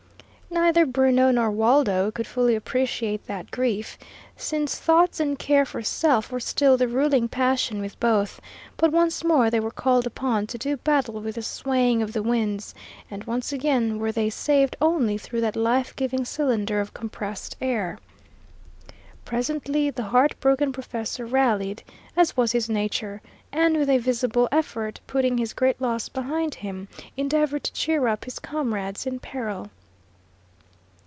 Neither Bruno nor Waldo could fully appreciate that grief, since thoughts and care for self were still the ruling passion with both; but once more they were called upon to do battle with the swaying of the winds, and once again were they saved only through that life giving cylinder of compressed air. Presently, the heart broken professor rallied, as was his nature, and, with a visible effort putting his great loss behind him, endeavoured to cheer up his comrades in peril.